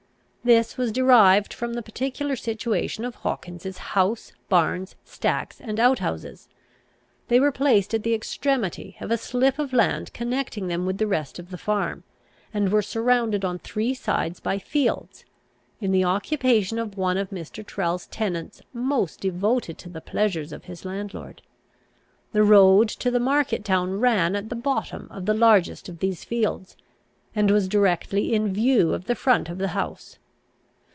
This was derived from the particular situation of Hawkins's house, barns, stacks, and outhouses. They were placed at the extremity of a slip of land connecting them with the rest of the farm, and were surrounded on three sides by fields, in the occupation of one of Mr. Tyrrel's tenants most devoted to the pleasures of his landlord. The road to the market town ran at the bottom of the largest of these fields, and was directly in view of the front of the house.